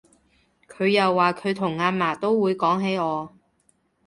佢又話佢同阿嫲會講起我